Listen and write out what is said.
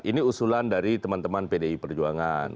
ini usulan dari teman teman pdi perjuangan